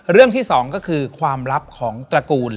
เรื่องที่๒ก็คือความลับของตระกูล